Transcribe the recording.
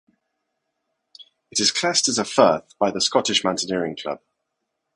It is classed as a Furth by the Scottish Mountaineering Club.